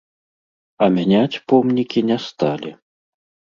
А мяняць помнікі не сталі.